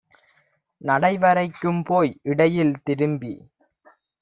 நடைவரைக் கும்போய் இடையில் திரும்பி